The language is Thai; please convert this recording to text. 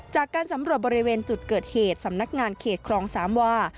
จากการสำรวจบริเวณจุดเกิดเหตุสำนักงานเขตครองสามวา